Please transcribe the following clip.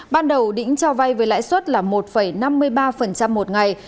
ban đầu đĩnh cho vay với lãi suất là một năm mươi ba một ngày